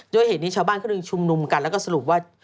ด้วยเหตุนี้ชาวบ้านเข้ามาชุมนุมกันแล้วก็สรุปว่า